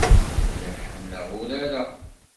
Lliɣ ḥemmleɣ urar-a.